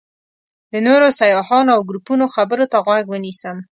د نورو سیاحانو او ګروپونو خبرو ته غوږ ونیسم.